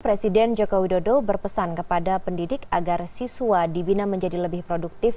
presiden joko widodo berpesan kepada pendidik agar siswa dibina menjadi lebih produktif